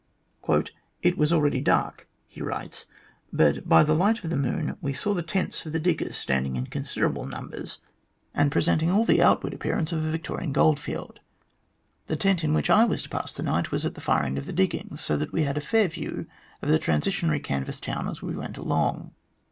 " It was already dark," he writes, " but by the light of the rnoon we saw the tents of the diggers standing in considerable numbers, and presenting. 112 THE GLADSTONE COLONY .all the outward appearance of a Victorian goldfield. Tim tent in which I was to pass the night was at the far end of the diggings, so that we had a fair view of the transitory canvas town as we went along.